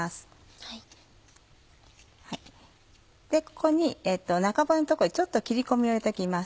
ここに中骨のとこにちょっと切り込みを入れておきます。